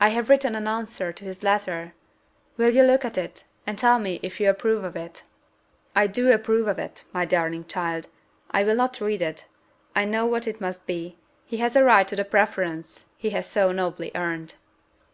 "I have written an answer to his letter; will you look at it, and tell me if you approve of it?" "I do approve of it, my darling child: I will not read it I know what it must be: he has a right to the preference he has so nobly earned."